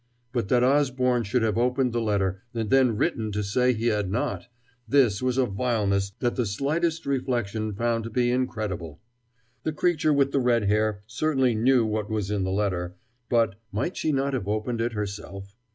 But that Osborne should have opened the letter, and then written to say he had not this was a vileness that the slightest reflection found to be incredible. The creature with the red hair certainly knew what was in the letter, but might she not have opened it herself?